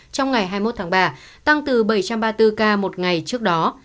trong ngày hai mươi một tháng ba tăng từ bảy trăm ba mươi bốn ca một ngày trước đó